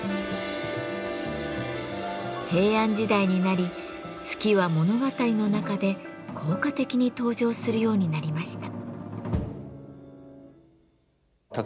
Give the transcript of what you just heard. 平安時代になり月は物語の中で効果的に登場するようになりました。